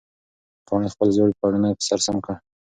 پاڼې خپل زوړ پړونی په سر سم کړ.